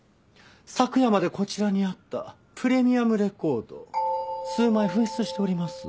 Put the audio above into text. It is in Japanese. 昨夜までこちらにあったプレミアムレコード数枚紛失しております。